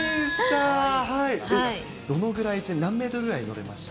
そのぐらい１位、何メートルぐらい乗れました？